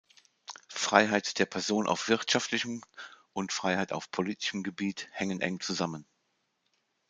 Freiheit der Person auf wirtschaftlichem und Freiheit auf politischem Gebiet hängen eng zusammen.